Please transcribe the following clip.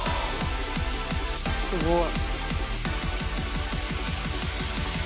すごい。））